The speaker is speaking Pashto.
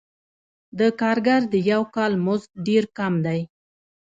د کارګر د یوه کال مزد ډېر کم دی